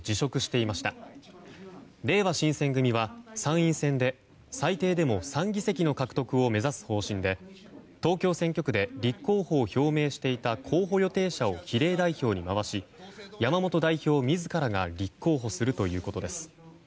れいわ新選組は参院選で最低でも３議席の獲得を目指す方針で東京選挙区で立候補を表明していた候補予定者を比例代表に回し山本代表自らが立候補するということです。